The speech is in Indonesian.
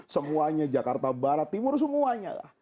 semuanya jakarta barat timur semuanya lah